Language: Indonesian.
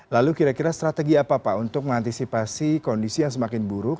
lalu kira kira strategi apa pak untuk mengantisipasi kondisi yang semakin buruk